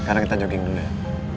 karena kita jogging dulu ya